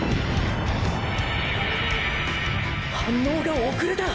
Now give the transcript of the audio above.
⁉反応が遅れた！！